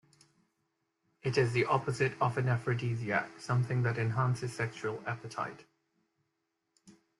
It is the opposite of an aphrodisiac, something that enhances sexual appetite.